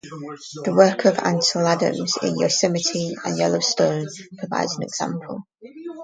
The work of Ansel Adams in Yosemite and Yellowstone provides an example.